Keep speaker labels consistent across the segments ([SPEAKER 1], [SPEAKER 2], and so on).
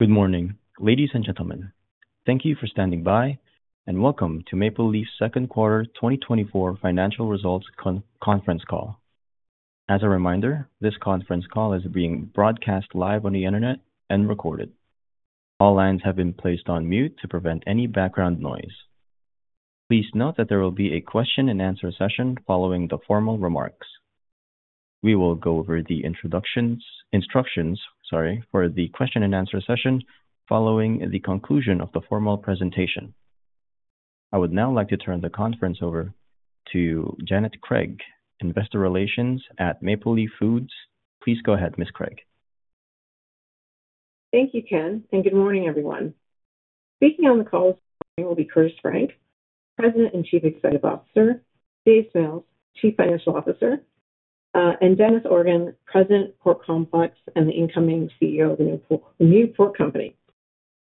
[SPEAKER 1] Good morning, ladies and gentlemen. Thank you for standing by, and welcome to Maple Leaf's second quarter 2024 financial results conference call. As a reminder, this conference call is being broadcast live on the internet and recorded. All lines have been placed on mute to prevent any background noise. Please note that there will be a question and answer session following the formal remarks. We will go over the instructions for the question and answer session following the conclusion of the formal presentation. I would now like to turn the conference over to Janet Craig, Investor Relations at Maple Leaf Foods. Please go ahead, Ms. Craig.
[SPEAKER 2] Thank you, Ken, and good morning, everyone. Speaking on the call this morning will be Curtis Frank, President and Chief Executive Officer, Dave Smales, Chief Financial Officer, and Dennis Organ, President, Pork Complex, and the incoming CEO of the new Pork, the new Pork Company.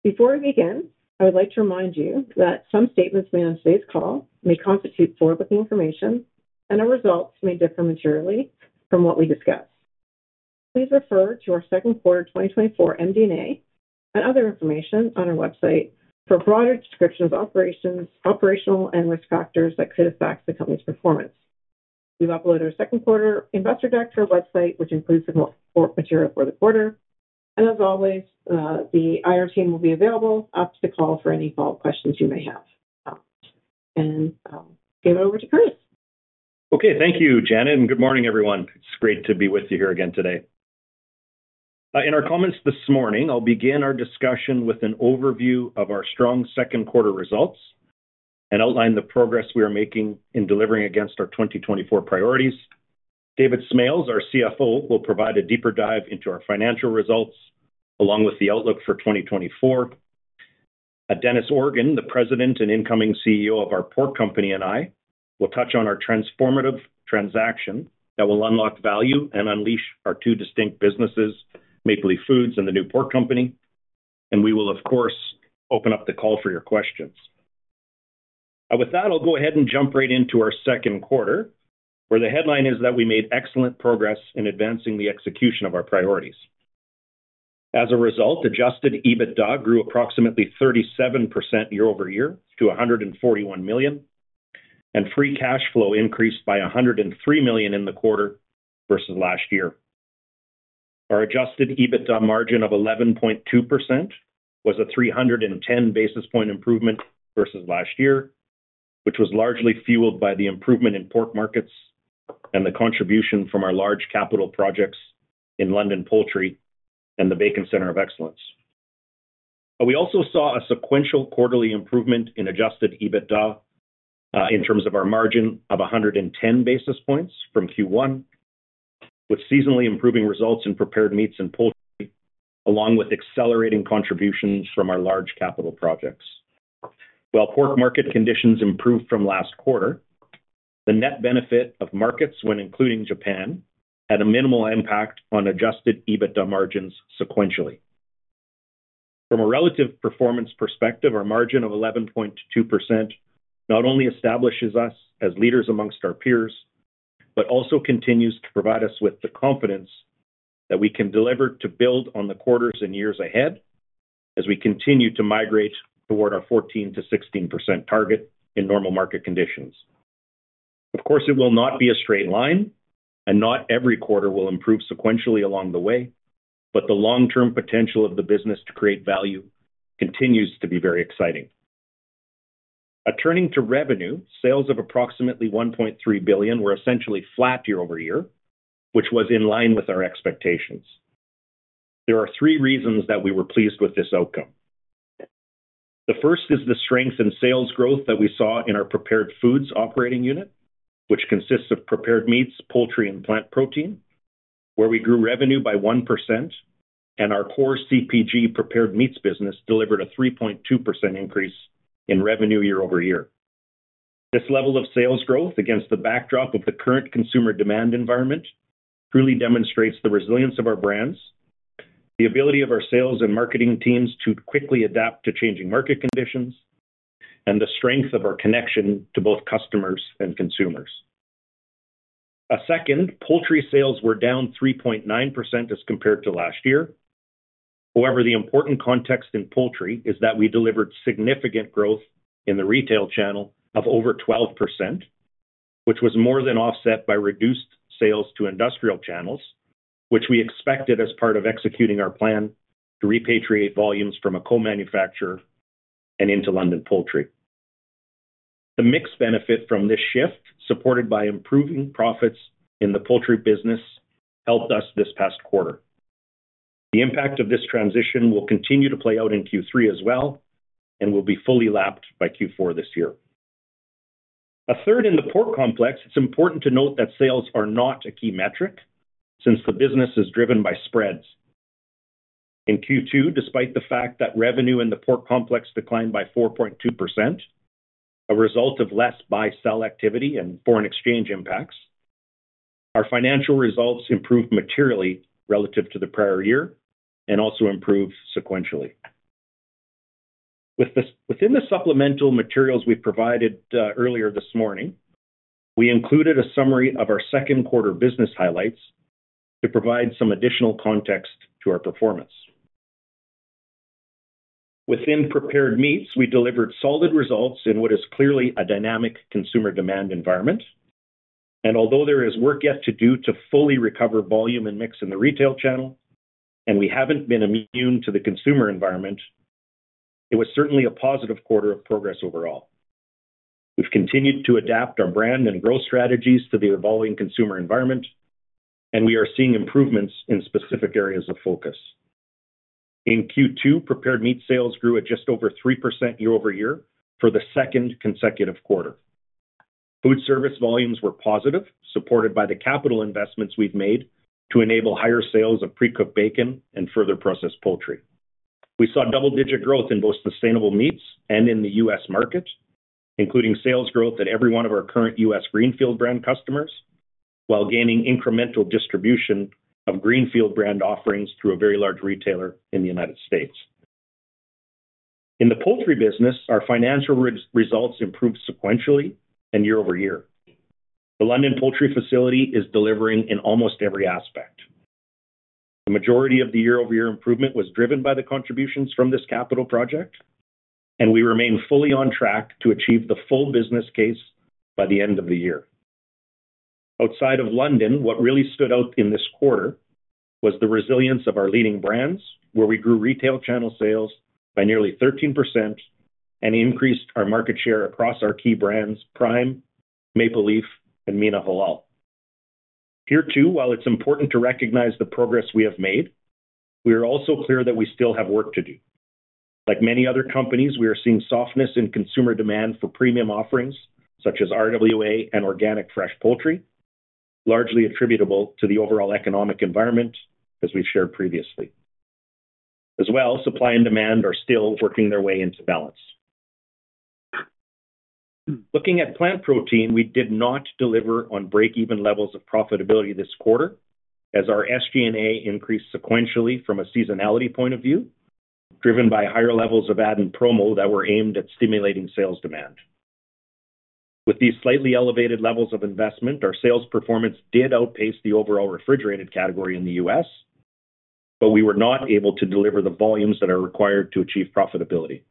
[SPEAKER 2] Before we begin, I would like to remind you that some statements made on today's call may constitute forward-looking information, and our results may differ materially from what we discuss. Please refer to our second quarter 2024 MD&A and other information on our website for a broader description of operations, operational and risk factors that could affect the company's performance. We've uploaded our second quarter investor deck to our website, which includes the material for the quarter. As always, the IR team will be available after the call for any follow-up questions you may have. I'll give it over to Curtis.
[SPEAKER 3] Okay. Thank you, Janet, and good morning, everyone. It's great to be with you here again today. In our comments this morning, I'll begin our discussion with an overview of our strong second quarter results and outline the progress we are making in delivering against our 2024 priorities. David Smales, our CFO, will provide a deeper dive into our financial results, along with the outlook for 2024. Dennis Organ, the President and incoming CEO of our Pork Company and I, will touch on our transformative transaction that will unlock value and unleash our two distinct businesses, Maple Leaf Foods and the new Pork Company. And we will, of course, open up the call for your questions. With that, I'll go ahead and jump right into our second quarter, where the headline is that we made excellent progress in advancing the execution of our priorities. As a result, adjusted EBITDA grew approximately 37% year-over-year to 141 million, and free cash flow increased by 103 million in the quarter versus last year. Our adjusted EBITDA margin of 11.2% was a 310 basis point improvement versus last year, which was largely fueled by the improvement in pork markets and the contribution from our large capital projects in London Poultry and the Bacon Centre of Excellence. We also saw a sequential quarterly improvement in adjusted EBITDA in terms of our margin of 110 basis points from Q1, with seasonally improving results in prepared meats and poultry, along with accelerating contributions from our large capital projects. While pork market conditions improved from last quarter, the net benefit of markets when including Japan, had a minimal impact on adjusted EBITDA margins sequentially. From a relative performance perspective, our margin of 11.2% not only establishes us as leaders amongst our peers, but also continues to provide us with the confidence that we can deliver to build on the quarters and years ahead as we continue to migrate toward our 14%-16% target in normal market conditions. Of course, it will not be a straight line, and not every quarter will improve sequentially along the way, but the long-term potential of the business to create value continues to be very exciting. Turning to revenue, sales of approximately 1.3 billion were essentially flat year-over-year, which was in line with our expectations. There are three reasons that we were pleased with this outcome. The first is the strength in sales growth that we saw in our prepared foods operating unit, which consists of prepared meats, poultry, and plant protein, where we grew revenue by 1% and our core CPG prepared meats business delivered a 3.2% increase in revenue year-over-year. This level of sales growth against the backdrop of the current consumer demand environment, truly demonstrates the resilience of our brands, the ability of our sales and marketing teams to quickly adapt to changing market conditions, and the strength of our connection to both customers and consumers. A second, poultry sales were down 3.9% as compared to last year. However, the important context in poultry is that we delivered significant growth in the retail channel of over 12%, which was more than offset by reduced sales to industrial channels, which we expected as part of executing our plan to repatriate volumes from a co-manufacturer and into London Poultry. The mixed benefit from this shift, supported by improving profits in the poultry business, helped us this past quarter. The impact of this transition will continue to play out in Q3 as well, and will be fully lapped by Q4 this year. A third in the pork complex, it's important to note that sales are not a key metric since the business is driven by spreads. In Q2, despite the fact that revenue in the pork complex declined by 4.2%, a result of less buy/sell activity and foreign exchange impacts, our financial results improved materially relative to the prior year and also improved sequentially. Within the supplemental materials we provided earlier this morning, we included a summary of our second quarter business highlights to provide some additional context to our performance. Within prepared meats, we delivered solid results in what is clearly a dynamic consumer demand environment. Although there is work yet to do to fully recover volume and mix in the retail channel, and we haven't been immune to the consumer environment, it was certainly a positive quarter of progress overall. We've continued to adapt our brand and growth strategies to the evolving consumer environment, and we are seeing improvements in specific areas of focus. In Q2, prepared meat sales grew at just over 3% year-over-year for the second consecutive quarter. Foodservice volumes were positive, supported by the capital investments we've made to enable higher sales of pre-cooked bacon and further processed poultry. We saw double-digit growth in both sustainable meats and in the U.S. market, including sales growth at every one of our current U.S. Greenfield brand customers, while gaining incremental distribution of Greenfield brand offerings through a very large retailer in the United States. In the poultry business, our financial results improved sequentially and year-over-year. The London Poultry facility is delivering in almost every aspect. The majority of the year-over-year improvement was driven by the contributions from this capital project, and we remain fully on track to achieve the full business case by the end of the year. Outside of London, what really stood out in this quarter was the resilience of our leading brands, where we grew retail channel sales by nearly 13% and increased our market share across our key brands, Prime, Maple Leaf, and Mina Halal. Here, too, while it's important to recognize the progress we have made, we are also clear that we still have work to do. Like many other companies, we are seeing softness in consumer demand for premium offerings, such as RWA and organic fresh poultry, largely attributable to the overall economic environment, as we've shared previously. As well, supply and demand are still working their way into balance. Looking at plant protein, we did not deliver on break-even levels of profitability this quarter, as our SG&A increased sequentially from a seasonality point of view, driven by higher levels of ad and promo that were aimed at stimulating sales demand. With these slightly elevated levels of investment, our sales performance did outpace the overall refrigerated category in the U.S., but we were not able to deliver the volumes that are required to achieve profitability.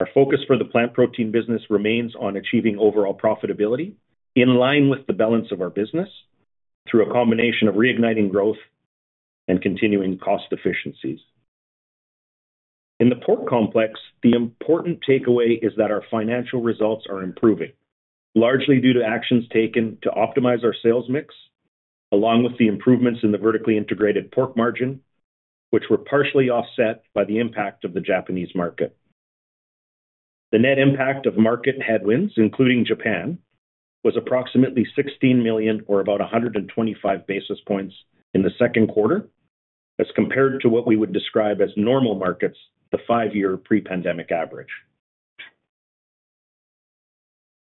[SPEAKER 3] Our focus for the plant protein business remains on achieving overall profitability in line with the balance of our business, through a combination of reigniting growth and continuing cost efficiencies. In the pork complex, the important takeaway is that our financial results are improving, largely due to actions taken to optimize our sales mix, along with the improvements in the vertically integrated pork margin, which were partially offset by the impact of the Japanese market. The net impact of market headwinds, including Japan, was approximately 16 million or about 125 basis points in the second quarter, as compared to what we would describe as normal markets, the five-year pre-pandemic average.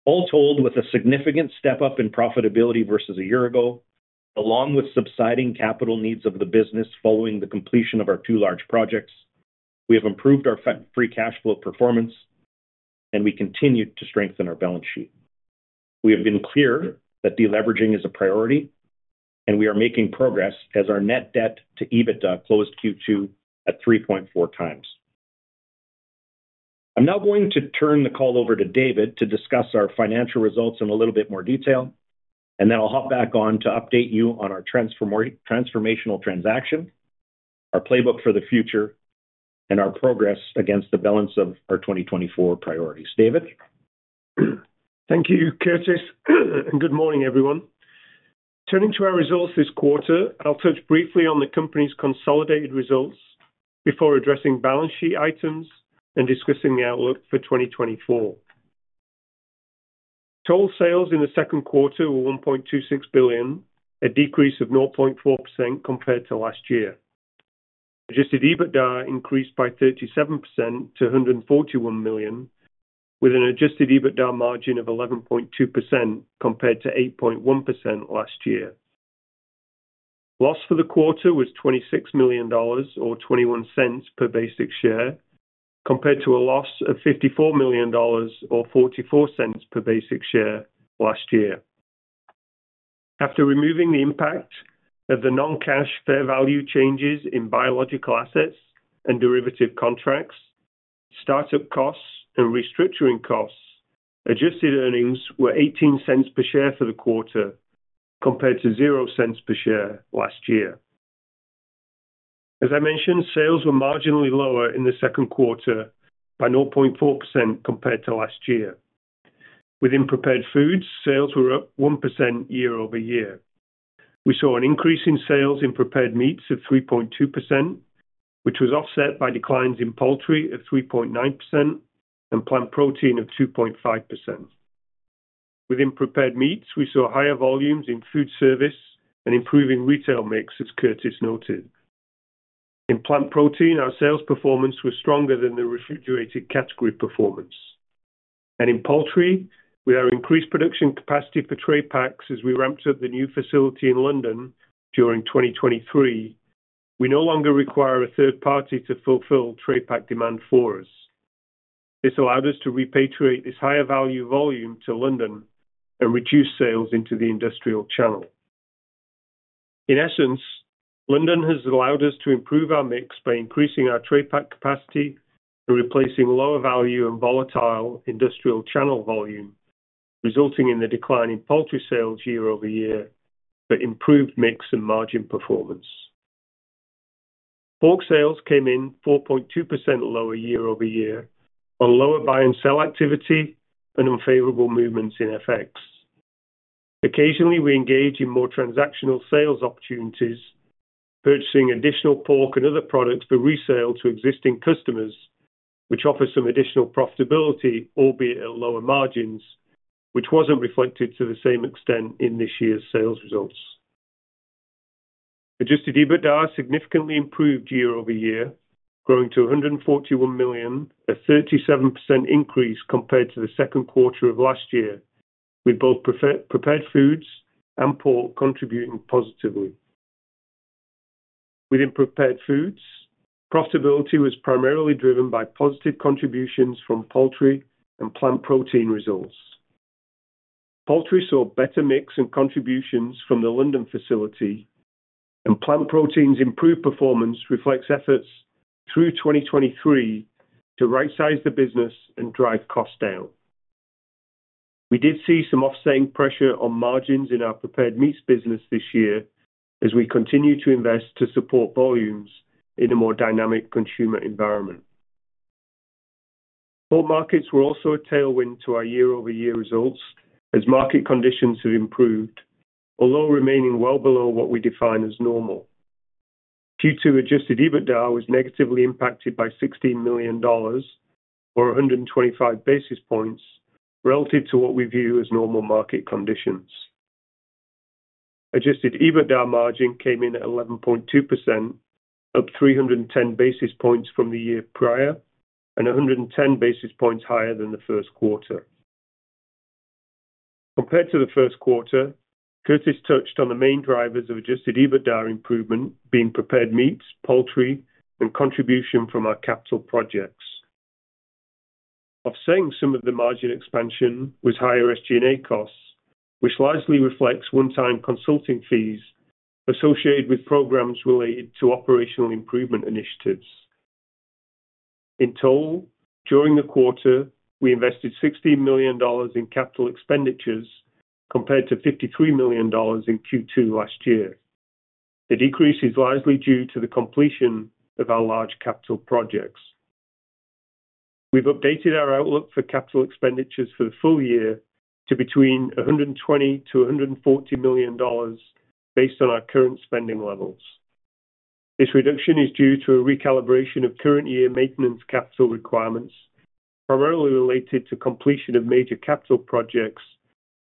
[SPEAKER 3] All told, with a significant step-up in profitability versus a year ago, along with subsiding capital needs of the business following the completion of our two large projects, we have improved our free cash flow performance, and we continue to strengthen our balance sheet. We have been clear that deleveraging is a priority, and we are making progress as our net debt to EBITDA closed Q2 at 3.4x. I'm now going to turn the call over to David to discuss our financial results in a little bit more detail, and then I'll hop back on to update you on our transformational transaction, our playbook for the future, and our progress against the balance of our 2024 priorities. David?
[SPEAKER 4] Thank you, Curtis, and good morning, everyone. Turning to our results this quarter, I'll touch briefly on the company's consolidated results before addressing balance sheet items and discussing the outlook for 2024. Total sales in the second quarter were 1.26 billion, a decrease of 0.4% compared to last year. Adjusted EBITDA increased by 37% to 141 million, with an adjusted EBITDA margin of 11.2%, compared to 8.1% last year. Loss for the quarter was 26 million dollars, or 0.21 per basic share, compared to a loss of 54 million dollars, or 0.44 per basic share last year. After removing the impact of the non-cash fair value changes in biological assets and derivative contracts, startup costs and restructuring costs, adjusted earnings were 0.18 per share for the quarter, compared to 0.00 per share last year. As I mentioned, sales were marginally lower in the second quarter by 0.4% compared to last year. Within prepared foods, sales were up 1% year-over-year. We saw an increase in sales in prepared meats of 3.2%, which was offset by declines in poultry of 3.9% and plant protein of 2.5%. Within prepared meats, we saw higher volumes in foodservice and improving retail mix, as Curtis noted. In plant protein, our sales performance was stronger than the refrigerated category performance. In poultry, we have increased production capacity for tray packs as we ramped up the new facility in London during 2023. We no longer require a third party to fulfill tray pack demand for us. This allowed us to repatriate this higher value volume to London and reduce sales into the industrial channel. In essence, London has allowed us to improve our mix by increasing our tray pack capacity and replacing lower value and volatile industrial channel volume, resulting in the decline in poultry sales year-over-year, but improved mix and margin performance. Pork sales came in 4.2% lower year-over-year, on lower buy and sell activity and unfavorable movements in FX. Occasionally, we engage in more transactional sales opportunities, purchasing additional pork and other products for resale to existing customers, which offer some additional profitability, albeit at lower margins, which wasn't reflected to the same extent in this year's sales results. Adjusted EBITDA significantly improved year-over-year, growing to 141 million, a 37% increase compared to the second quarter of last year, with both prepared foods and pork contributing positively. Within prepared foods, profitability was primarily driven by positive contributions from poultry and plant protein results. Poultry saw better mix and contributions from the London facility, and plant proteins improved performance reflects efforts through 2023 to rightsize the business and drive costs down. We did see some offsetting pressure on margins in our prepared meats business this year as we continue to invest to support volumes in a more dynamic consumer environment. Both markets were also a tailwind to our year-over-year results as market conditions have improved, although remaining well below what we define as normal. Q2 adjusted EBITDA was negatively impacted by 16 million dollars, or 125 basis points relative to what we view as normal market conditions. Adjusted EBITDA margin came in at 11.2%, up 310 basis points from the year prior, and 110 basis points higher than the first quarter. Compared to the first quarter, Curtis touched on the main drivers of adjusted EBITDA improvement being prepared meats, poultry, and contribution from our capital projects. Offsetting some of the margin expansion was higher SG&A costs, which largely reflects one-time consulting fees associated with programs related to operational improvement initiatives. In total, during the quarter, we invested 16 million dollars in capital expenditures, compared to 53 million dollars in Q2 last year. The decrease is largely due to the completion of our large capital projects. We've updated our outlook for capital expenditures for the full year to between 120 million- 140 million dollars, based on our current spending levels. This reduction is due to a recalibration of current year maintenance capital requirements, primarily related to completion of major capital projects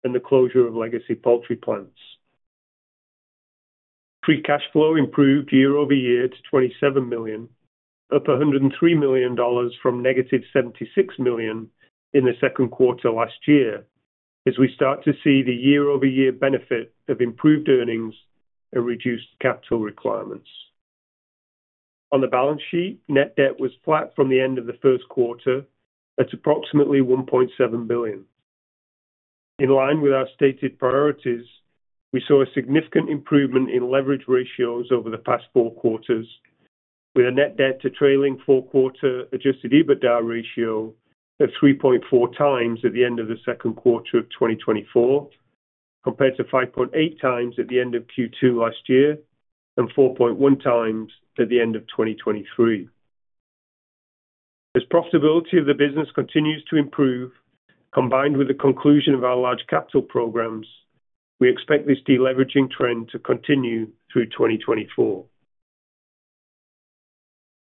[SPEAKER 4] and the closure of legacy poultry plants. Free cash flow improved year-over-year to 27 million, up 103 million dollars from -76 million in the second quarter last year, as we start to see the year-over-year benefit of improved earnings and reduced capital requirements. On the balance sheet, net debt was flat from the end of the first quarter at approximately 1.7 billion. In line with our stated priorities, we saw a significant improvement in leverage ratios over the past four quarters, with a net debt to trailing four quarter adjusted EBITDA ratio of 3.4x at the end of the second quarter of 2024, compared to 5.8x at the end of Q2 last year, and 4.1x at the end of 2023. As profitability of the business continues to improve, combined with the conclusion of our large capital programs, we expect this deleveraging trend to continue through 2024.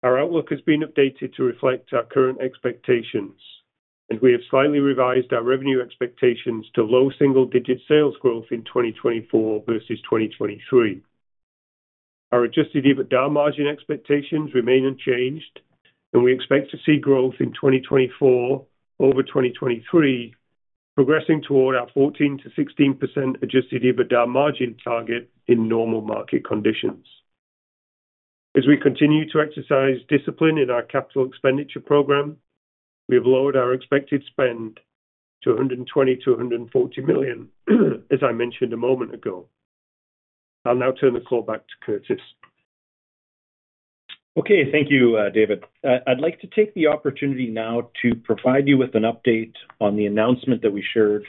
[SPEAKER 4] Our outlook has been updated to reflect our current expectations, and we have slightly revised our revenue expectations to low single-digit sales growth in 2024 versus 2023. Our adjusted EBITDA margin expectations remain unchanged, and we expect to see growth in 2024 over 2023, progressing toward our 14%-16% adjusted EBITDA margin target in normal market conditions. As we continue to exercise discipline in our capital expenditure program, we have lowered our expected spend to 120 million-140 million, as I mentioned a moment ago. I'll now turn the call back to Curtis.
[SPEAKER 3] Okay, thank you, David. I'd like to take the opportunity now to provide you with an update on the announcement that we shared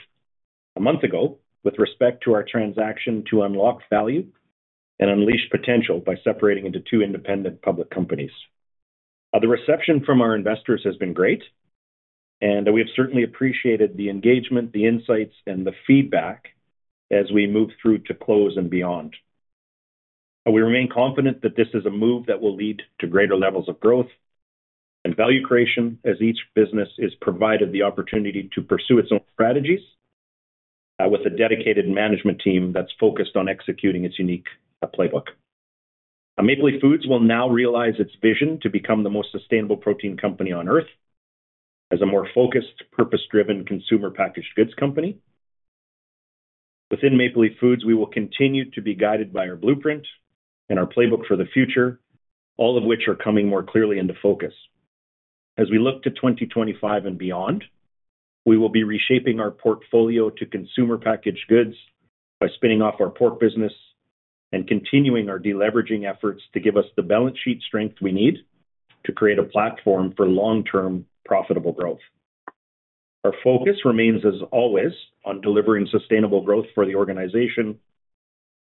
[SPEAKER 3] a month ago with respect to our transaction to unlock value and unleash potential by separating into two independent public companies. The reception from our investors has been great, and we have certainly appreciated the engagement, the insights, and the feedback as we move through to close and beyond. And we remain confident that this is a move that will lead to greater levels of growth and value creation as each business is provided the opportunity to pursue its own strategies with a dedicated management team that's focused on executing its unique playbook. Maple Leaf Foods will now realize its vision to become the most sustainable protein company on Earth as a more focused, purpose-driven consumer packaged goods company. Within Maple Leaf Foods, we will continue to be guided by our blueprint and our playbook for the future, all of which are coming more clearly into focus. As we look to 2025 and beyond, we will be reshaping our portfolio to consumer packaged goods by spinning off our pork business and continuing our deleveraging efforts to give us the balance sheet strength we need to create a platform for long-term profitable growth. Our focus remains, as always, on delivering sustainable growth for the organization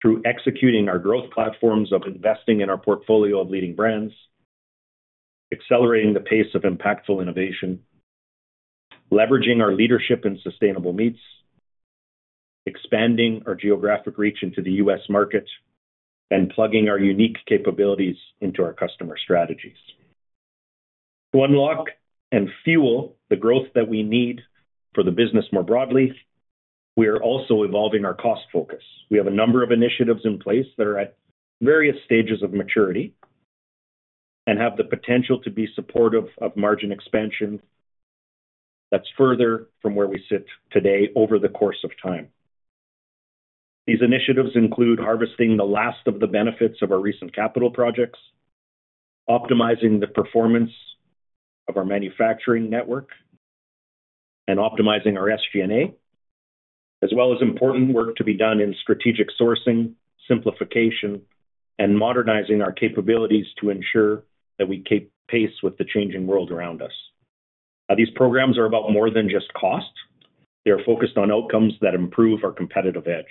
[SPEAKER 3] through executing our growth platforms of investing in our portfolio of leading brands, accelerating the pace of impactful innovation, leveraging our leadership in sustainable meats, expanding our geographic reach into the U.S. market, and plugging our unique capabilities into our customer strategies. To unlock and fuel the growth that we need for the business more broadly, we are also evolving our cost focus. We have a number of initiatives in place that are at various stages of maturity and have the potential to be supportive of margin expansion that's further from where we sit today over the course of time. These initiatives include harvesting the last of the benefits of our recent capital projects, optimizing the performance of our manufacturing network, and optimizing our SG&A, as well as important work to be done in strategic sourcing, simplification, and modernizing our capabilities to ensure that we keep pace with the changing world around us. These programs are about more than just cost. They are focused on outcomes that improve our competitive edge.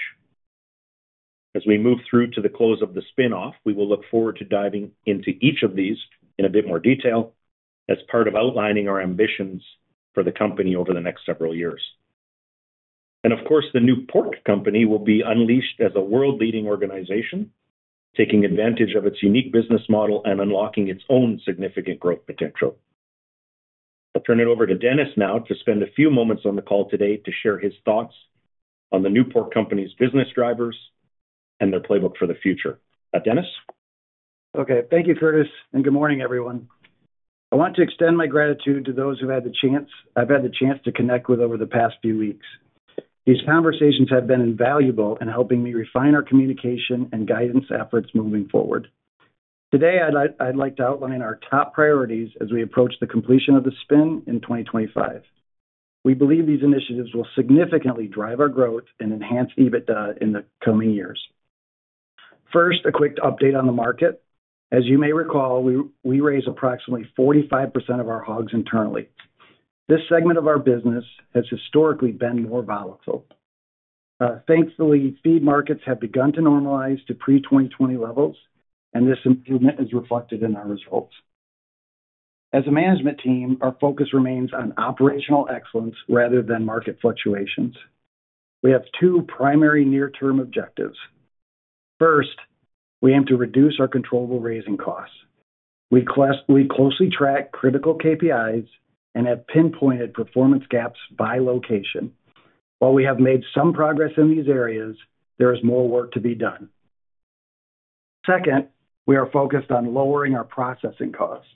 [SPEAKER 3] As we move through to the close of the spin-off, we will look forward to diving into each of these in a bit more detail as part of outlining our ambitions for the company over the next several years. Of course, the new Pork Company will be unleashed as a world-leading organization, taking advantage of its unique business model and unlocking its own significant growth potential. I'll turn it over to Dennis now to spend a few moments on the call today to share his thoughts on the new Pork Company's business drivers and their playbook for the future. Dennis?
[SPEAKER 5] Okay. Thank you, Curtis, and good morning, everyone. I want to extend my gratitude to those I've had the chance to connect with over the past few weeks. These conversations have been invaluable in helping me refine our communication and guidance efforts moving forward. Today, I'd like, I'd like to outline our top priorities as we approach the completion of the spin in 2025. We believe these initiatives will significantly drive our growth and enhance EBITDA in the coming years. First, a quick update on the market. As you may recall, we, we raise approximately 45% of our hogs internally. This segment of our business has historically been more volatile. Thankfully, feed markets have begun to normalize to pre-2020 levels, and this improvement is reflected in our results. As a management team, our focus remains on operational excellence rather than market fluctuations. We have two primary near-term objectives. First, we aim to reduce our controllable raising costs. We closely track critical KPIs and have pinpointed performance gaps by location. While we have made some progress in these areas, there is more work to be done. Second, we are focused on lowering our processing costs.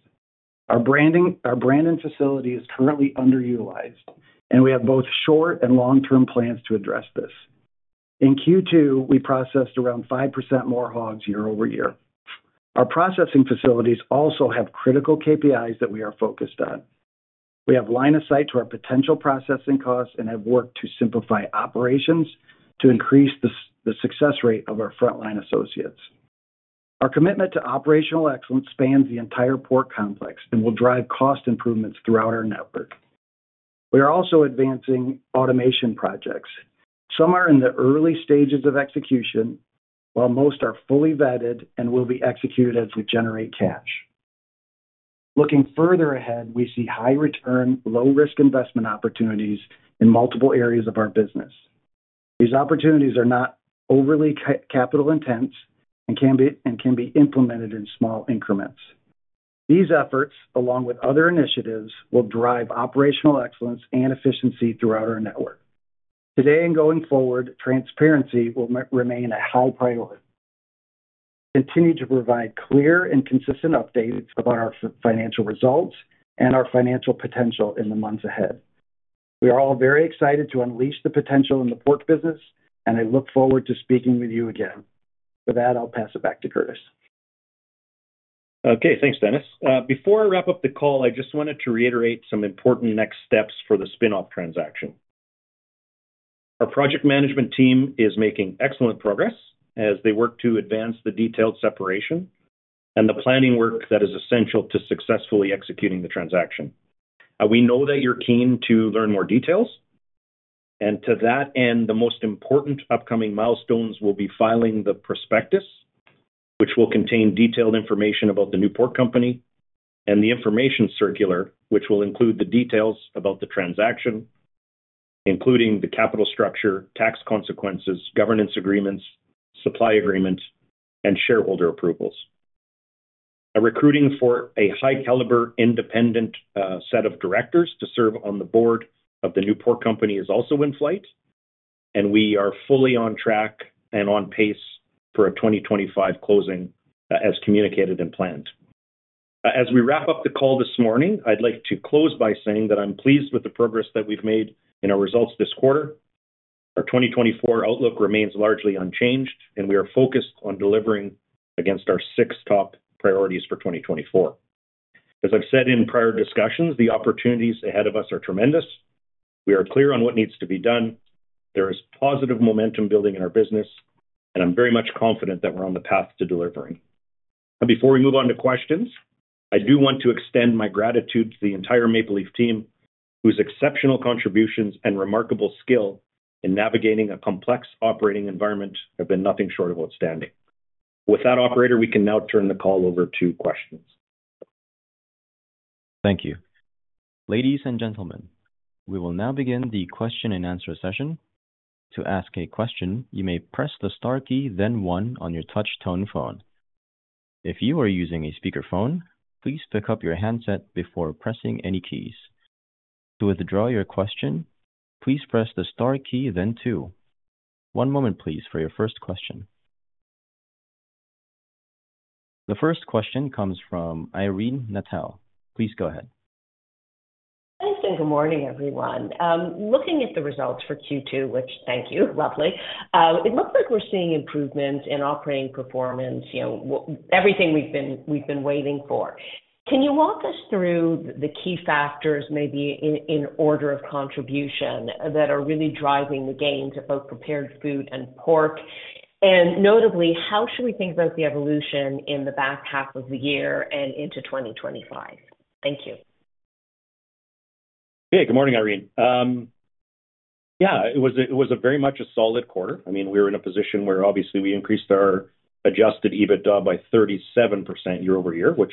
[SPEAKER 5] Our Brandon facility is currently underutilized, and we have both short- and long-term plans to address this. In Q2, we processed around 5% more hogs year-over-year. Our processing facilities also have critical KPIs that we are focused on. We have line of sight to our potential processing costs and have worked to simplify operations to increase the success rate of our frontline associates. Our commitment to operational excellence spans the entire pork complex and will drive cost improvements throughout our network. We are also advancing automation projects. Some are in the early stages of execution, while most are fully vetted and will be executed as we generate cash. Looking further ahead, we see high return, low-risk investment opportunities in multiple areas of our business. These opportunities are not overly capital intense and can be implemented in small increments. These efforts, along with other initiatives, will drive operational excellence and efficiency throughout our network. Today and going forward, transparency will remain a high priority. Continue to provide clear and consistent updates about our financial results and our financial potential in the months ahead. We are all very excited to unleash the potential in the pork business, and I look forward to speaking with you again. For that, I'll pass it back to Curtis.
[SPEAKER 3] Okay, thanks, Dennis. Before I wrap up the call, I just wanted to reiterate some important next steps for the spin-off transaction. Our project management team is making excellent progress as they work to advance the detailed separation and the planning work that is essential to successfully executing the transaction. We know that you're keen to learn more details, and to that end, the most important upcoming milestones will be filing the prospectus, which will contain detailed information about the new Pork Company, and the information circular, which will include the details about the transaction, including the capital structure, tax consequences, governance agreements, supply agreements, and shareholder approvals. Recruiting for a high caliber, independent, set of directors to serve on the board of the new Pork Company is also in flight, and we are fully on track and on pace for a 2025 closing, as communicated and planned. As we wrap up the call this morning, I'd like to close by saying that I'm pleased with the progress that we've made in our results this quarter. Our 2024 outlook remains largely unchanged, and we are focused on delivering against our six top priorities for 2024. As I've said in prior discussions, the opportunities ahead of us are tremendous. We are clear on what needs to be done. There is positive momentum building in our business, and I'm very much confident that we're on the path to delivering. Before we move on to questions, I do want to extend my gratitude to the entire Maple Leaf team, whose exceptional contributions and remarkable skill in navigating a complex operating environment have been nothing short of outstanding. With that, operator, we can now turn the call over to questions.
[SPEAKER 1] Thank you. Ladies and gentlemen, we will now begin the question and answer session. To ask a question, you may press the star key, then one on your touch tone phone. If you are using a speakerphone, please pick up your handset before pressing any keys. To withdraw your question, please press the star key, then two. One moment, please, for your first question. The first question comes from Irene Nattel. Please go ahead.
[SPEAKER 6] Thanks, and good morning, everyone. Looking at the results for Q2, which thank you, lovely. It looks like we're seeing improvements in operating performance, you know, everything we've been waiting for. Can you walk us through the key factors, maybe in order of contribution, that are really driving the gains of both prepared food and pork? And notably, how should we think about the evolution in the back half of the year and into 2025? Thank you.
[SPEAKER 3] Hey, good morning, Irene. Yeah, it was a very much a solid quarter. I mean, we were in a position where obviously we increased our adjusted EBITDA by 37% year-over-year, which,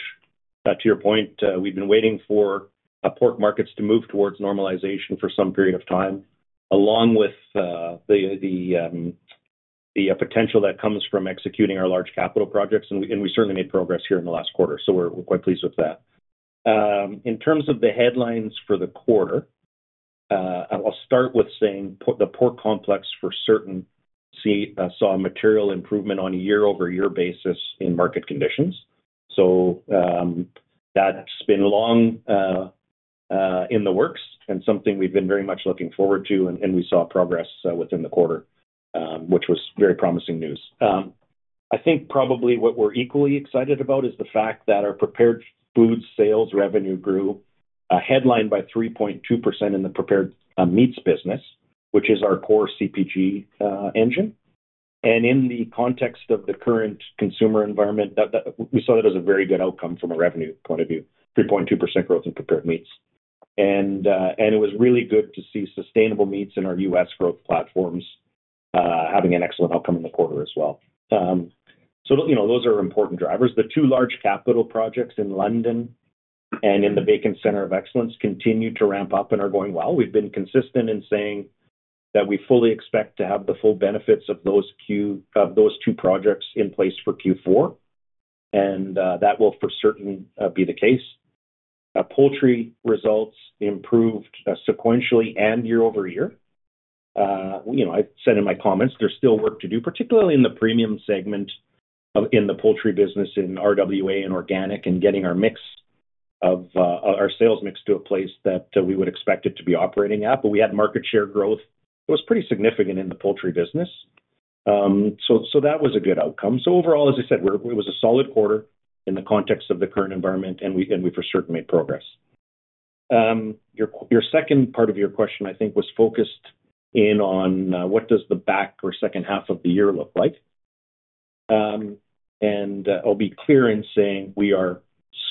[SPEAKER 3] to your point, we've been waiting for our pork markets to move towards normalization for some period of time, along with the potential that comes from executing our large capital projects, and we certainly made progress here in the last quarter, so we're quite pleased with that. In terms of the headlines for the quarter, I'll start with saying the pork complex for certain saw a material improvement on a year-over-year basis in market conditions. So, that's been long in the works and something we've been very much looking forward to, and we saw progress within the quarter, which was very promising news. I think probably what we're equally excited about is the fact that our prepared food sales revenue grew, headlined by 3.2% in the prepared meats business, which is our core CPG engine. And in the context of the current consumer environment, that we saw that as a very good outcome from a revenue point of view, 3.2% growth in prepared meats. And it was really good to see sustainable meats in our U.S. growth platforms, having an excellent outcome in the quarter as well. So, you know, those are important drivers. The two large capital projects in London and in the Bacon Centre of Excellence continue to ramp up and are going well. We've been consistent in saying that we fully expect to have the full benefits of those two projects in place for Q4, and that will for certain be the case. Poultry results improved sequentially and year-over-year. You know, I said in my comments, there's still work to do, particularly in the premium segment of, in the poultry business, in RWA and organic, and getting our mix of our sales mix to a place that we would expect it to be operating at. But we had market share growth. It was pretty significant in the poultry business. So that was a good outcome. So overall, as I said, it was a solid quarter in the context of the current environment, and we for certain made progress. Your second part of your question, I think, was focused in on what does the back or second half of the year look like? And I'll be clear in saying we are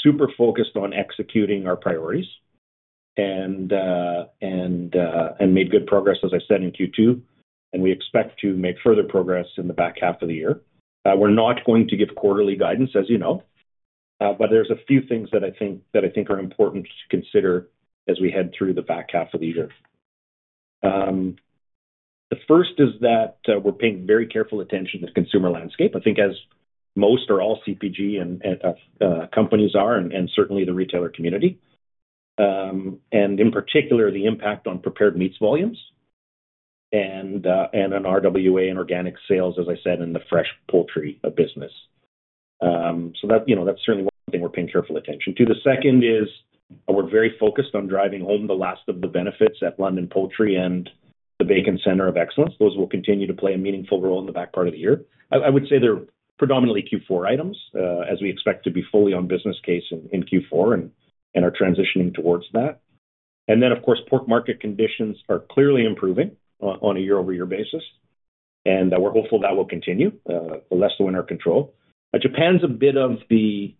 [SPEAKER 3] super focused on executing our priorities and made good progress, as I said, in Q2, and we expect to make further progress in the back half of the year. We're not going to give quarterly guidance, as you know, but there's a few things that I think are important to consider as we head through the back half of the year. The first is that we're paying very careful attention to consumer landscape. I think as most or all CPG and companies are, and certainly the retailer community, and in particular, the impact on prepared meats volumes and on RWA and organic sales, as I said, in the fresh poultry business. So that, you know, that's certainly one thing we're paying careful attention to. The second is, we're very focused on driving home the last of the benefits at London Poultry and the Bacon Centre of Excellence. Those will continue to play a meaningful role in the back part of the year. I would say they're predominantly Q4 items, as we expect to be fully on business case in Q4 and are transitioning towards that. And then, of course, pork market conditions are clearly improving on a year-over-year basis, and we're hopeful that will continue, less so in our control. But Japan's a bit of the,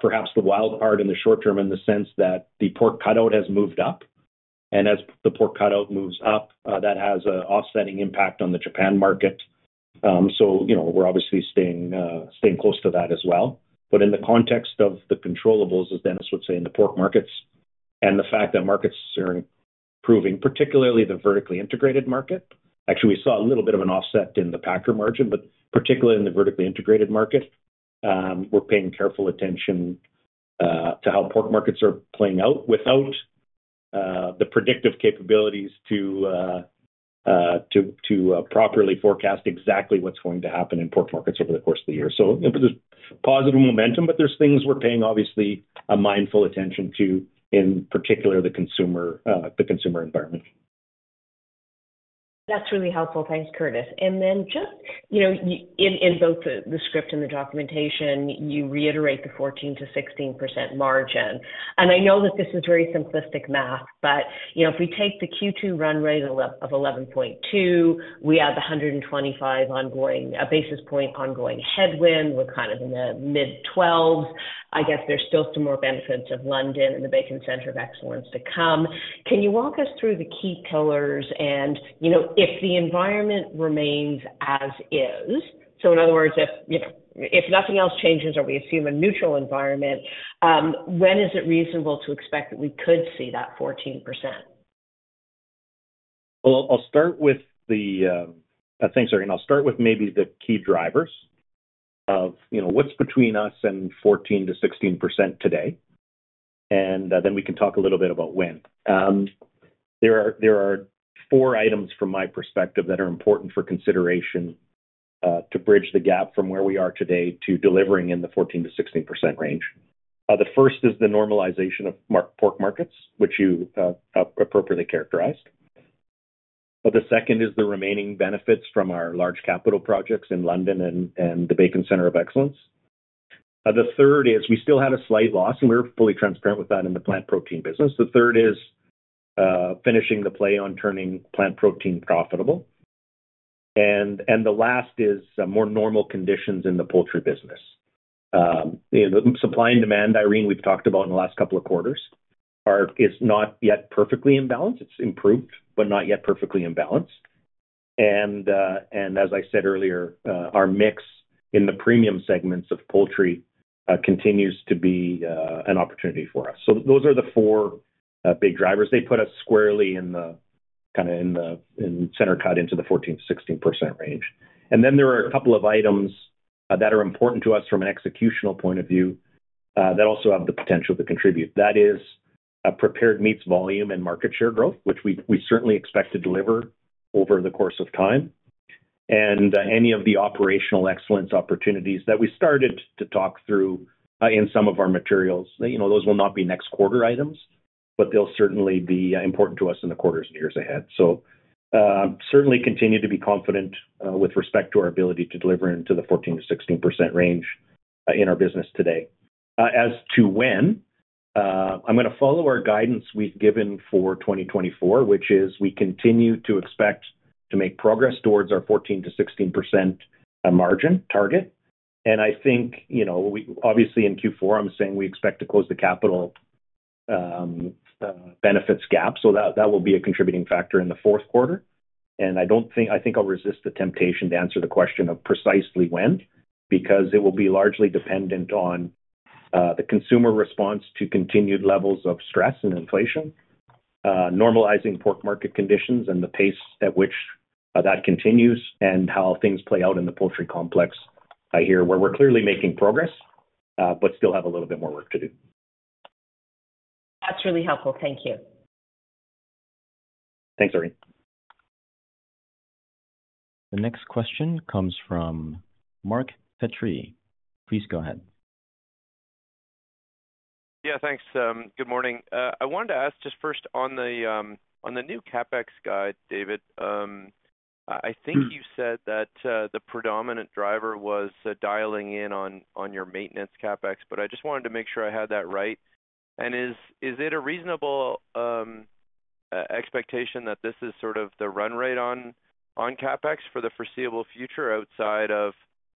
[SPEAKER 3] perhaps the wild card in the short term, in the sense that the pork cutout has moved up, and as the pork cutout moves up, that has a offsetting impact on the Japan market. So, you know, we're obviously staying close to that as well. But in the context of the controllables, as Dennis would say, in the pork markets- and the fact that markets are improving, particularly the vertically integrated market. Actually, we saw a little bit of an offset in the packer margin, but particularly in the vertically integrated market, we're paying careful attention to how pork markets are playing out without the predictive capabilities to properly forecast exactly what's going to happen in pork markets over the course of the year. So there's positive momentum, but there's things we're paying, obviously, a mindful attention to, in particular, the consumer, the consumer environment.
[SPEAKER 6] That's really helpful. Thanks, Curtis. And then just, you know, in both the script and the documentation, you reiterate the 14%-16% margin. And I know that this is very simplistic math, but, you know, if we take the Q2 run rate of 11.2, we add the 125 ongoing basis point ongoing headwind, we're kind of in the mid-12s. I guess there's still some more benefits of London and the Bacon Centre of Excellence to come. Can you walk us through the key pillars? You know, if the environment remains as is, so in other words, if nothing else changes or we assume a neutral environment, when is it reasonable to expect that we could see that 14%?
[SPEAKER 3] Well, I'll start with, thanks, Irene. I'll start with maybe the key drivers of, you know, what's between us and 14%-16% today, and then we can talk a little bit about when. There are four items from my perspective that are important for consideration to bridge the gap from where we are today to delivering in the 14%-16% range. The first is the normalization of pork markets, which you appropriately characterized. But the second is the remaining benefits from our large capital projects in London and the Bacon Centre of Excellence. The third is we still had a slight loss, and we're fully transparent with that in the plant protein business. The third is finishing the play on turning plant protein profitable. And the last is more normal conditions in the poultry business. You know, the supply and demand, Irene, we've talked about in the last couple of quarters, is not yet perfectly in balance. It's improved, but not yet perfectly in balance. And as I said earlier, our mix in the premium segments of poultry continues to be an opportunity for us. So those are the four big drivers. They put us squarely in the kind of in the center cut into the 14%-16% range. And then there are a couple of items that are important to us from an executional point of view that also have the potential to contribute. That is a prepared meats volume and market share growth, which we certainly expect to deliver over the course of time, and any of the operational excellence opportunities that we started to talk through in some of our materials. You know, those will not be next quarter items, but they'll certainly be important to us in the quarters and years ahead. So, certainly continue to be confident with respect to our ability to deliver into the 14%-16% range in our business today. As to when, I'm gonna follow our guidance we've given for 2024, which is we continue to expect to make progress towards our 14%-16% margin target. And I think, you know, we obviously in Q4, I'm saying we expect to close the capital benefits gap, so that, that will be a contributing factor in the fourth quarter. And I don't think, I think I'll resist the temptation to answer the question of precisely when, because it will be largely dependent on the consumer response to continued levels of stress and inflation, normalizing pork market conditions and the pace at which that continues and how things play out in the poultry complex here, where we're clearly making progress, but still have a little bit more work to do.
[SPEAKER 6] That's really helpful. Thank you.
[SPEAKER 3] Thanks, Irene.
[SPEAKER 1] The next question comes from Mark Petrie. Please go ahead.
[SPEAKER 7] Yeah, thanks. Good morning. I wanted to ask just first on the, on the new CapEx guide, David, I, I think you said that, the predominant driver was dialing in on, on your maintenance CapEx, but I just wanted to make sure I had that right. And is, is it a reasonable, expectation that this is sort of the run rate on, on CapEx for the foreseeable future outside of,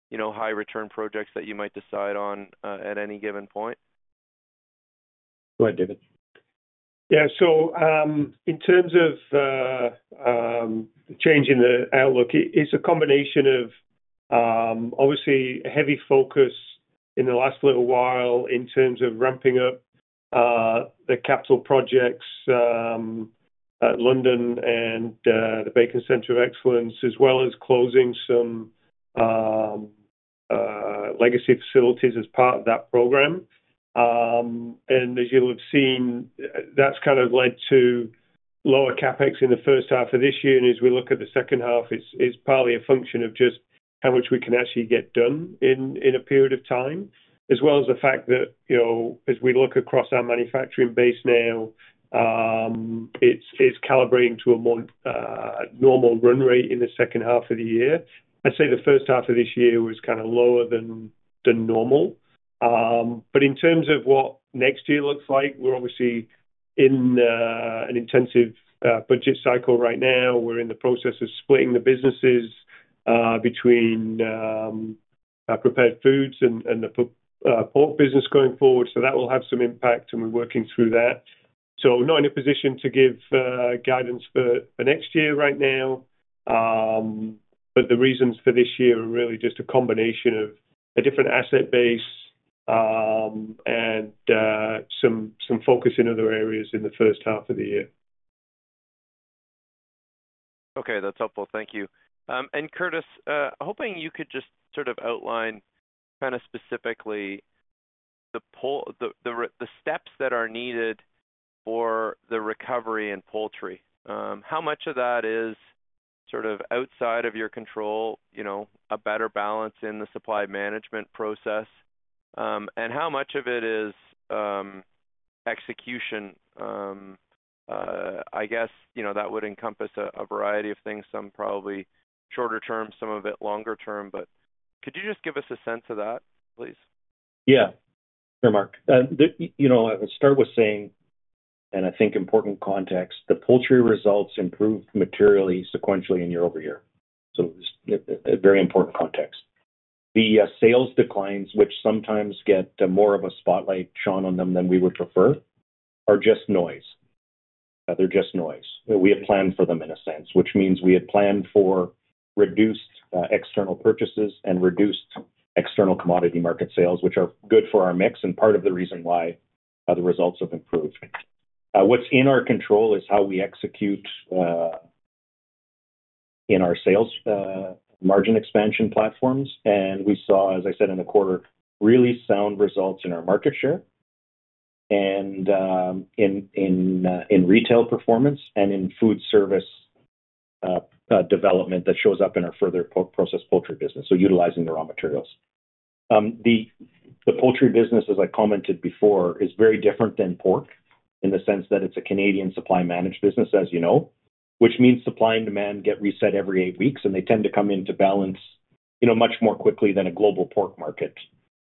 [SPEAKER 7] you know, high return projects that you might decide on, at any given point?
[SPEAKER 3] Go ahead, David.
[SPEAKER 4] Yeah. So, in terms of changing the outlook, it's a combination of obviously a heavy focus in the last little while in terms of ramping up the capital projects at London and the Bacon Centre of Excellence, as well as closing some legacy facilities as part of that program. And as you'll have seen, that's kind of led to lower CapEx in the first half of this year. And as we look at the second half, it's partly a function of just how much we can actually get done in a period of time, as well as the fact that, you know, as we look across our manufacturing base now, it's calibrating to a more normal run rate in the second half of the year. I'd say the first half of this year was kind of lower than normal. But in terms of what next year looks like, we're obviously in an intensive budget cycle right now. We're in the process of splitting the businesses between our prepared foods and the pork business going forward. So that will have some impact, and we're working through that. So we're not in a position to give guidance for the next year right now. But the reasons for this year are really just a combination of a different asset base, and some focus in other areas in the first half of the year.
[SPEAKER 7] Okay, that's helpful. Thank you. And Curtis, hoping you could just sort of outline kinda specifically the steps that are needed for the recovery in poultry. How much of that is sort of outside of your control, you know, a better balance in the supply management process? And how much of it is execution? I guess, you know, that would encompass a variety of things, some probably shorter term, some of it longer term. But could you just give us a sense of that, please?
[SPEAKER 3] Yeah. Sure, Mark. You know, I would start with saying, and I think important context, the poultry results improved materially, sequentially, and year-over-year. So it's a very important context. The sales declines, which sometimes get more of a spotlight shone on them than we would prefer, are just noise. They're just noise. We had planned for them in a sense, which means we had planned for reduced external purchases and reduced external commodity market sales, which are good for our mix and part of the reason why the results have improved. What's in our control is how we execute in our sales margin expansion platforms. And we saw, as I said in the quarter, really sound results in our market share and in retail performance and in foodservice development that shows up in our further processed poultry business, so utilizing the raw materials. The poultry business, as I commented before, is very different than pork in the sense that it's a Canadian supply managed business, as you know, which means supply and demand get reset every eight weeks, and they tend to come into balance, you know, much more quickly than a global pork market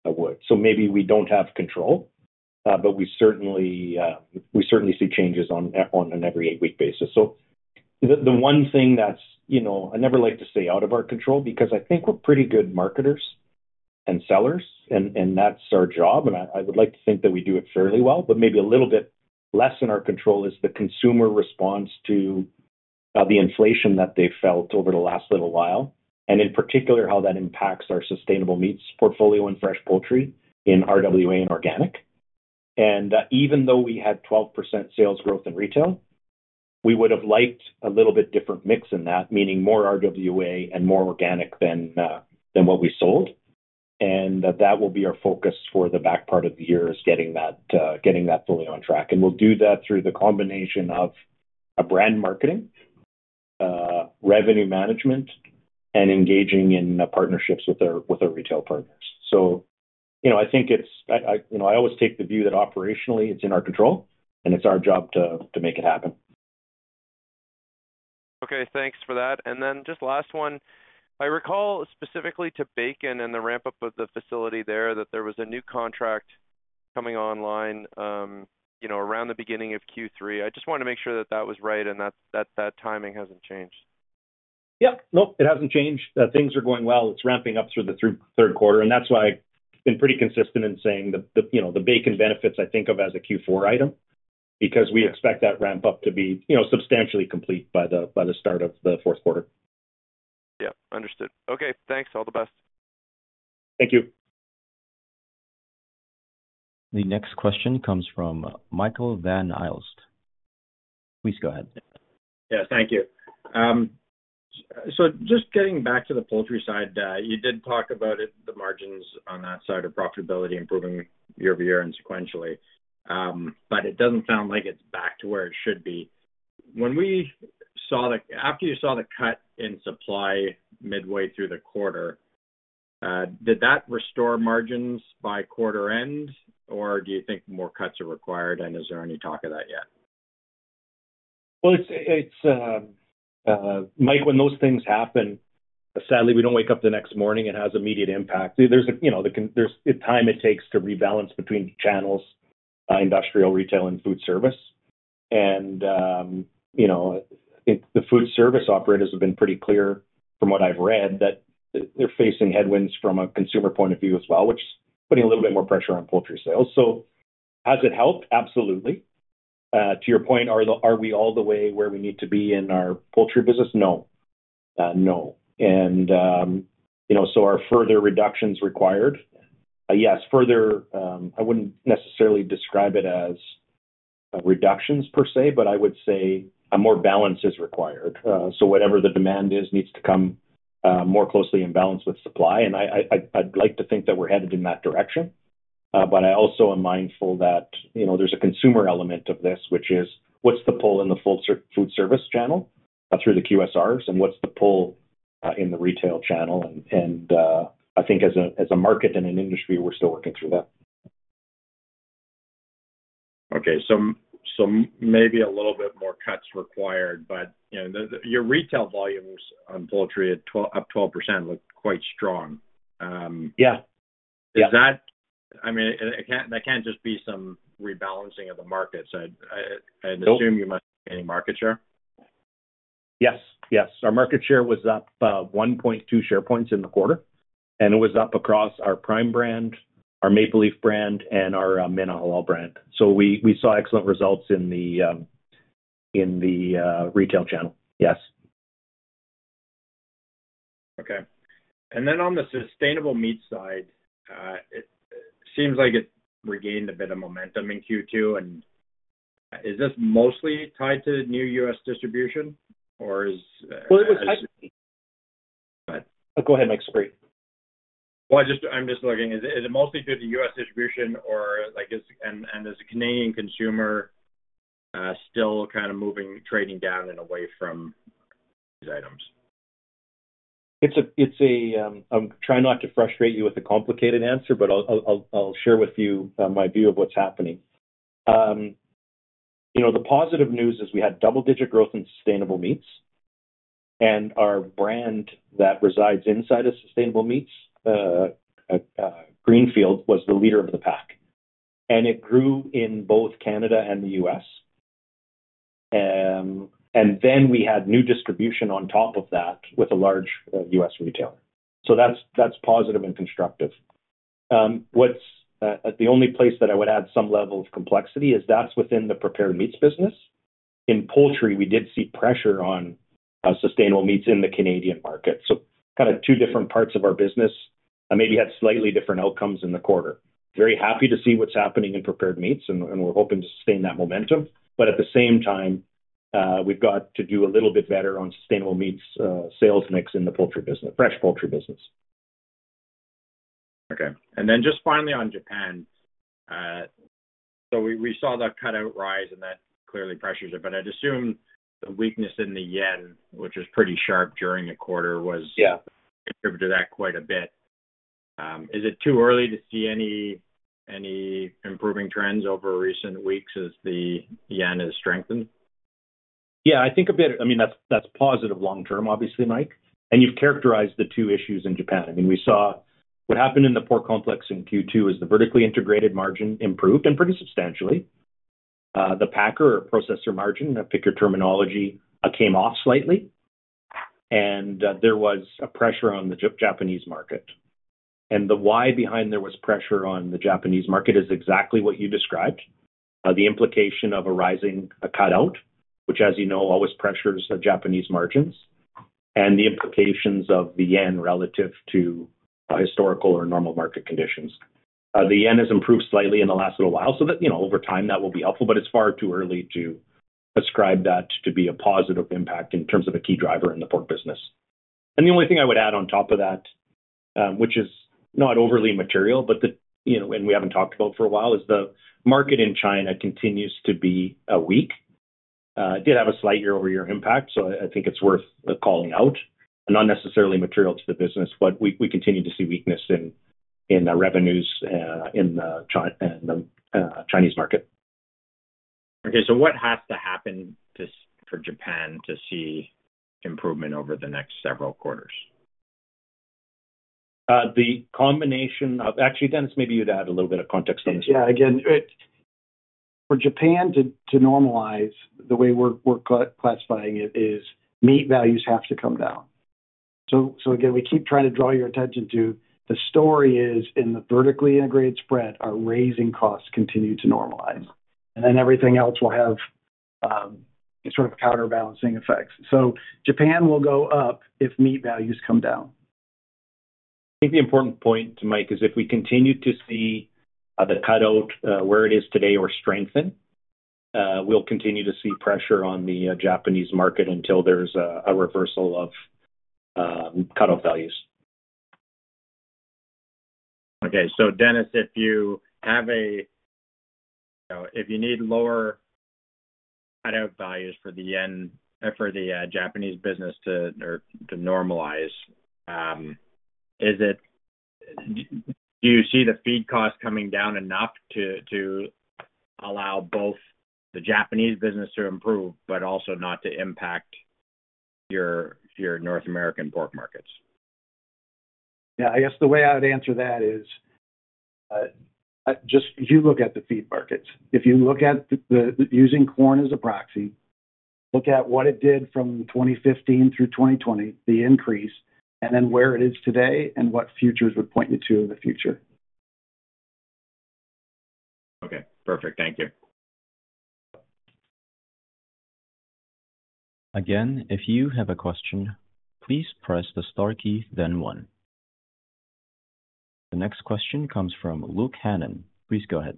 [SPEAKER 3] would. So maybe we don't have control, but we certainly see changes on an every eight-week basis. So the one thing that's, you know, I never like to say out of our control, because I think we're pretty good marketers and sellers, and that's our job, and I would like to think that we do it fairly well. But maybe a little bit less in our control is the consumer response to the inflation that they've felt over the last little while, and in particular, how that impacts our sustainable meats portfolio and fresh poultry in RWA and organic. And even though we had 12% sales growth in retail, we would have liked a little bit different mix in that, meaning more RWA and more organic than what we sold. And that will be our focus for the back part of the year, is getting that fully on track. And we'll do that through the combination of a brand marketing, revenue management, and engaging in partnerships with our retail partners. So, you know, I think it's, I you know, I always take the view that operationally it's in our control, and it's our job to make it happen.
[SPEAKER 7] Okay, thanks for that. And then just last one: I recall specifically to bacon and the ramp-up of the facility there, that there was a new contract coming online, you know, around the beginning of Q3. I just wanted to make sure that that was right and that timing hasn't changed.
[SPEAKER 3] Yeah. Nope, it hasn't changed. Things are going well. It's ramping up through the third quarter, and that's why I've been pretty consistent in saying the, the, you know, the bacon benefits I think of as a Q4 item, because we expect that ramp-up to be, you know, substantially complete by the, by the start of the fourth quarter.
[SPEAKER 7] Yeah, understood. Okay, thanks. All the best.
[SPEAKER 3] Thank you.
[SPEAKER 1] The next question comes from Michael Van Aelst. Please go ahead.
[SPEAKER 8] Yeah, thank you. So just getting back to the poultry side, you did talk about it, the margins on that side of profitability improving year-over-year and sequentially. But it doesn't sound like it's back to where it should be. When, after you saw the cut in supply midway through the quarter, did that restore margins by quarter end, or do you think more cuts are required, and is there any talk of that yet?
[SPEAKER 3] Well, it's Mike, when those things happen, sadly, we don't wake up the next morning and it has immediate impact. There's a, you know, there's the time it takes to rebalance between channels, industrial, retail, and foodservice. And, you know, the foodservice operators have been pretty clear, from what I've read, that they're facing headwinds from a consumer point of view as well, which is putting a little bit more pressure on poultry sales. So has it helped? Absolutely. To your point, are we all the way where we need to be in our poultry business? No. No. And, you know, so are further reductions required? Yes, further, I wouldn't necessarily describe it as reductions per se, but I would say a more balance is required. So whatever the demand is needs to come more closely in balance with supply. And I'd like to think that we're headed in that direction. But I also am mindful that, you know, there's a consumer element of this, which is: What's the pull in the foodservice channel through the QSRs, and what's the pull in the retail channel? And I think as a market and an industry, we're still working through that.
[SPEAKER 8] Okay, so maybe a little bit more cuts required, but, you know, your retail volumes on poultry up 12% looked quite strong.
[SPEAKER 3] Yeah.
[SPEAKER 8] Is that, I mean, it can't, that can't just be some rebalancing of the market. So I, I.
[SPEAKER 3] Nope.
[SPEAKER 8] Assume you must gain market share?
[SPEAKER 3] Yes, yes. Our market share was up 1.2 share points in the quarter. And it was up across our Prime brand, our Maple Leaf brand, and our Mina Halal brand. So we saw excellent results in the retail channel. Yes.
[SPEAKER 8] Okay. And then on the sustainable meat side, it seems like it regained a bit of momentum in Q2. And is this mostly tied to new U.S. distribution, or is?
[SPEAKER 3] Well, it was.
[SPEAKER 8] Go ahead.
[SPEAKER 3] Oh, go ahead, Mike, sorry.
[SPEAKER 8] Well, I just, I'm just looking. Is it, is it mostly due to U.S. distribution, or like, is, and, and is the Canadian consumer still kind of moving, trading down and away from these items?
[SPEAKER 3] I'll try not to frustrate you with a complicated answer, but I'll share with you my view of what's happening. You know, the positive news is we had double-digit growth in sustainable meats, and our brand that resides inside of sustainable meats, Greenfield, was the leader of the pack, and it grew in both Canada and the U.S. And then we had new distribution on top of that with a large U.S. retailer. So that's positive and constructive. What's the only place that I would add some level of complexity is that's within the prepared meats business. In poultry, we did see pressure on sustainable meats in the Canadian market. So kind of two different parts of our business that maybe had slightly different outcomes in the quarter. Very happy to see what's happening in prepared meats, and we're hoping to sustain that momentum, but at the same time, we've got to do a little bit better on sustainable meats, sales mix in the poultry business, fresh poultry business.
[SPEAKER 8] Okay. And then just finally on Japan. So we saw that cutout rise, and that clearly pressures it, but I'd assume the weakness in the yen, which was pretty sharp during the quarter, was.
[SPEAKER 3] Yeah.
[SPEAKER 8] Contributed to that quite a bit. Is it too early to see any improving trends over recent weeks as the yen has strengthened?
[SPEAKER 3] Yeah, I think a bit. I mean, that's, that's positive long term, obviously, Mike. And you've characterized the two issues in Japan. I mean, we saw what happened in the pork complex in Q2 is the vertically integrated margin improved, and pretty substantially. The packer or processor margin, packer terminology, came off slightly, and there was a pressure on the Japanese market. And the why behind there was pressure on the Japanese market is exactly what you described. The implication of a rising cutout, which, as you know, always pressures the Japanese margins, and the implications of the yen relative to historical or normal market conditions. The yen has improved slightly in the last little while, so that, you know, over time, that will be helpful, but it's far too early to ascribe that to be a positive impact in terms of a key driver in the pork business. The only thing I would add on top of that, which is not overly material, but, you know, and we haven't talked about for a while, is the market in China continues to be weak. It did have a slight year-over-year impact, so I think it's worth calling out. Not necessarily material to the business, but we continue to see weakness in the revenues in the Chinese market.
[SPEAKER 8] Okay, so what has to happen for Japan to see improvement over the next several quarters?
[SPEAKER 3] The combination of, actually, Dennis, maybe you'd add a little bit of context on this.
[SPEAKER 5] Yeah, again, for Japan to normalize, the way we're classifying it is meat values have to come down. So again, we keep trying to draw your attention to the story is, in the vertically integrated spread, our raising costs continue to normalize, and then everything else will have sort of counterbalancing effects. So Japan will go up if meat values come down.
[SPEAKER 3] I think the important point, Mike, is if we continue to see the cutout where it is today or strengthen, we'll continue to see pressure on the Japanese market until there's a reversal of cutout values.
[SPEAKER 8] Okay. So, Dennis, if you have a, if you need lower cutout values for the yen, for the Japanese business to, or to normalize, do you see the feed costs coming down enough to, to allow both the Japanese business to improve, but also not to impact your, your North American pork markets?
[SPEAKER 5] Yeah, I guess the way I would answer that is, just you look at the feed markets. If you look at using corn as a proxy, look at what it did from 2015 through 2020, the increase, and then where it is today and what futures would point you to in the future.
[SPEAKER 8] Okay, perfect. Thank you.
[SPEAKER 1] Again, if you have a question, please press the star key, then one. The next question comes from Luke Hannan. Please go ahead.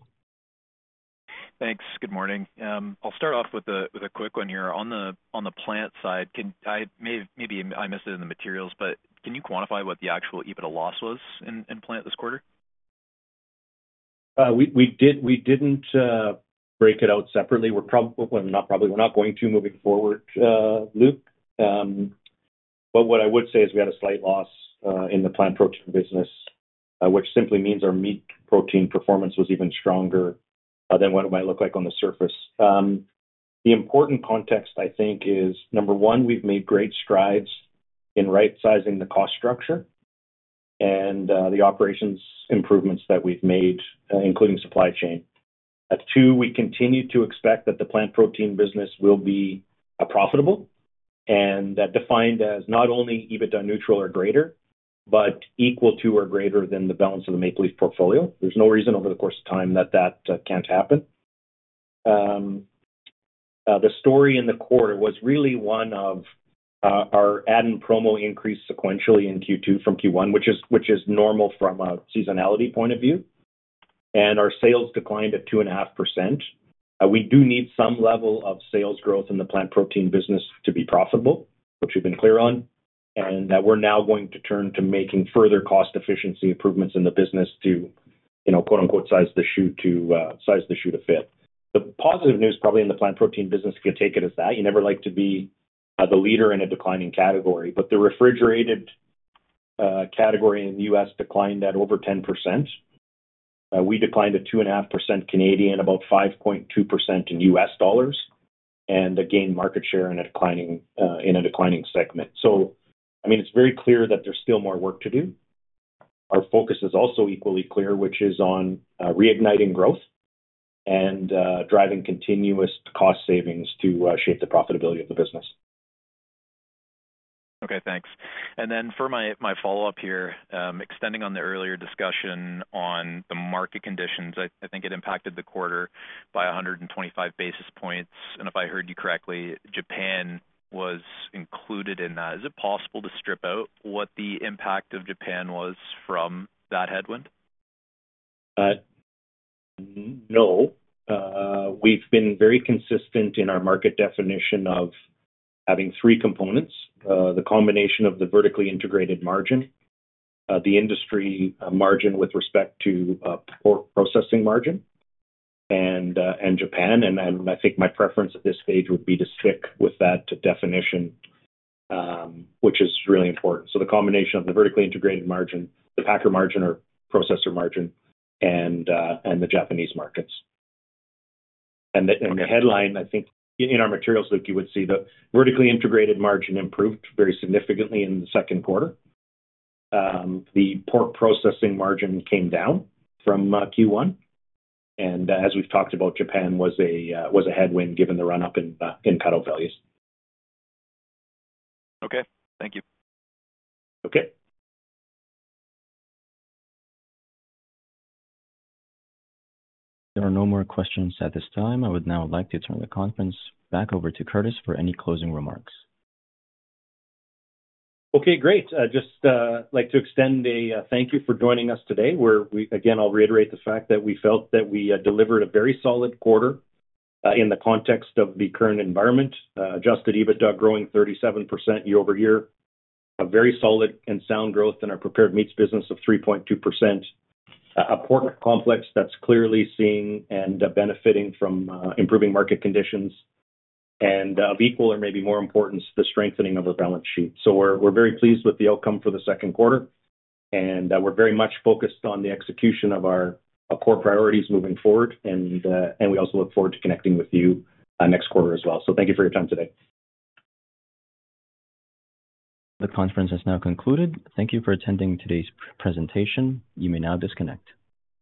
[SPEAKER 9] Thanks. Good morning. I'll start off with a quick one here. On the plant side, maybe I missed it in the materials, but can you quantify what the actual EBITDA loss was in plant this quarter?
[SPEAKER 3] We didn't break it out separately. We're probably, well, not probably, we're not going to moving forward, Luke. But what I would say is we had a slight loss in the plant protein business, which simply means our meat protein performance was even stronger than what it might look like on the surface. The important context, I think, is, number one, we've made great strides in right-sizing the cost structure and the operations improvements that we've made, including supply chain. Two, we continue to expect that the plant protein business will be profitable, and that defined as not only EBITDA neutral or greater, but equal to or greater than the balance of the Maple Leaf portfolio. There's no reason over the course of time that that can't happen. The story in the quarter was really one of, our ad and promo increased sequentially in Q2 from Q1, which is normal from a seasonality point of view, and our sales declined at 2.5%. We do need some level of sales growth in the plant protein business to be profitable, which we've been clear on, and that we're now going to turn to making further cost efficiency improvements in the business to, you know, quote, unquote, "size the shoe to size the shoe to fit." The positive news, probably in the plant protein business, you can take it as that. You never like to be the leader in a declining category, but the refrigerated category in the U.S. declined at over 10%. We declined at 2.5% Canadian, about 5.2% in U.S. dollars, and again, market share in a declining segment. So I mean, it's very clear that there's still more work to do. Our focus is also equally clear, which is on reigniting growth and driving continuous cost savings to shape the profitability of the business.
[SPEAKER 9] Okay, thanks. And then for my follow-up here, extending on the earlier discussion on the market conditions, I think it impacted the quarter by 125 basis points, and if I heard you correctly, Japan was included in that. Is it possible to strip out what the impact of Japan was from that headwind?
[SPEAKER 3] No. We've been very consistent in our market definition of having three components: the combination of the vertically integrated margin, the industry margin with respect to pork processing margin, and Japan. And I think my preference at this stage would be to stick with that definition, which is really important. So the combination of the vertically integrated margin, the packer margin or processor margin, and the Japanese markets. And the headline, I think in our materials, Luke, you would see the vertically integrated margin improved very significantly in the second quarter. The pork processing margin came down from Q1, and as we've talked about, Japan was a headwind, given the run-up in cutout values.
[SPEAKER 9] Okay, thank you.
[SPEAKER 3] Okay.
[SPEAKER 1] There are no more questions at this time. I would now like to turn the conference back over to Curtis for any closing remarks.
[SPEAKER 3] Okay, great. I'd just like to extend a thank you for joining us today, where we again, I'll reiterate the fact that we delivered a very solid quarter in the context of the current environment. Adjusted EBITDA growing 37% year-over-year, a very solid and sound growth in our prepared meats business of 3.2%. A pork complex that's clearly seeing and benefiting from improving market conditions, and of equal or maybe more importance, the strengthening of our balance sheet. So we're very pleased with the outcome for the second quarter, and we're very much focused on the execution of our core priorities moving forward. And we also look forward to connecting with you next quarter as well. So thank you for your time today.
[SPEAKER 1] The conference has now concluded. Thank you for attending today's presentation. You may now disconnect.